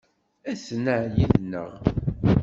Aten-a yid-neɣ.